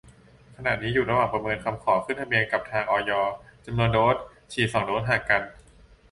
ขณะนี้อยู่ระหว่างประเมินคำขอขึ้นทะเบียนกับทาง อย จำนวนโดส ฉีด สอง โดส ห่างกัน